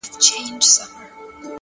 صبر د لوړو هدفونو ساتونکی دی!.